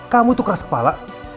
kamu tukerah kepala